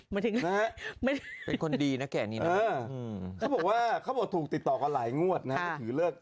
นักแขกนี่นะเค้าบอกว่าเข้าโปรดถูกติดต่อกับหลายงวดที่เลือก